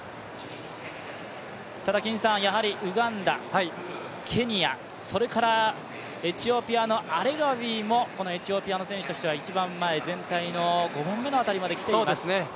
ただ、ウガンダ、ケニア、それからエチオピアのアレガウィもこのエチオピアの選手としては一番前、全体の５番目ぐらいの位置にきています。